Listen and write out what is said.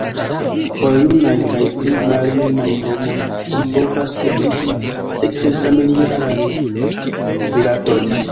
Por junaj kaj pli maljunaj homoj ĝi povas ebligi eksterfamiliajn rilatojn.